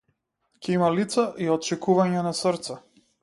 Ќе има лица и отчукувања на срце.